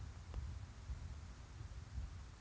asal sekolah sma negeri sembilan